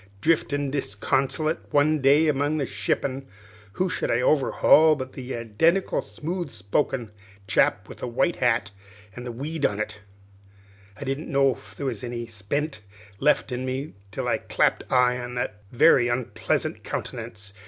"Driftin' disconsolate one day among the shippin', who should I overhaul but the identical smooth spoken chap with a white hat an' a weed on it! I didn't know if there was any spent left in me, till I clapped eye on his very onpleasant countenance.